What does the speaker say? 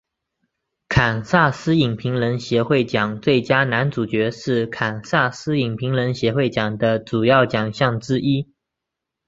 堪萨斯影评人协会奖最佳男主角是堪萨斯影评人协会奖的主要奖项之一。